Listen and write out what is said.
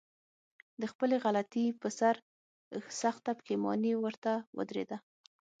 د خپلې غلطي په سر سخته پښېماني ورته ودرېږي.